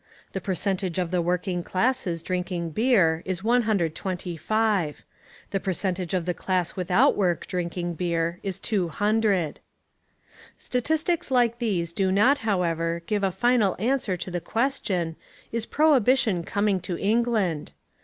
The percentage of the working classes drinking beer is 125: the percentage of the class without work drinking beer is 200. Statistics like these do not, however, give a final answer to the question, "Is prohibition coming to England?"